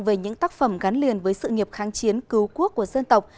về những tác phẩm gắn liền với sự nghiệp kháng chiến cứu quốc của dân tộc